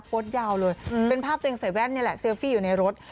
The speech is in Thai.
โพสต์ยาวเลยเป็นภาพตัวเองใส่แว่นนี่แหละเซลฟี่อยู่ในรถ